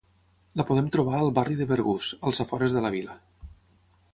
La podem trobar al barri de Bergús, als afores de la vila.